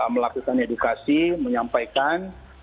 melakukan edukasi menyampaikan